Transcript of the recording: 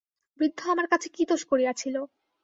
বৃদ্ধ আমার কাছে কী দোষ করিয়াছিল।